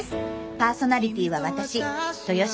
パーソナリティーは私豊嶋真千子。